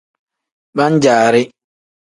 Pan-jaari.